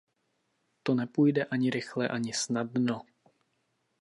To nepůjde ani rychle, ani snadno.